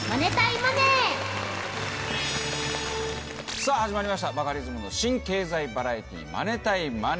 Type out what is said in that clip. さぁ始まりましたバカリズムの新経済バラエティー『マネたいＭＯＮＥＹ』。